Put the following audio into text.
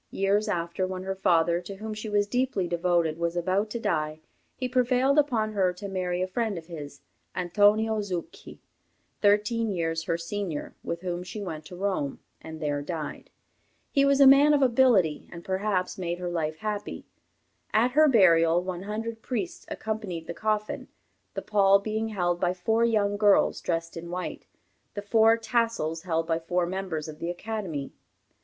Years after, when her father, to whom she was deeply devoted, was about to die, he prevailed upon her to marry a friend of his, Antonio Zucchi, thirteen years her senior, with whom she went to Rome, and there died. He was a man of ability, and perhaps made her life happy. At her burial, one hundred priests accompanied the coffin, the pall being held by four young girls, dressed in white, the four tassels held by four members of the Academy.